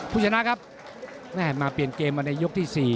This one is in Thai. ชนะครับแม่มาเปลี่ยนเกมมาในยกที่๔